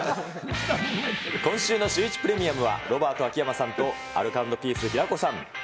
今週のシューイチプレミアムはロバート・秋山さんと、アルコ＆ピース・平子さん。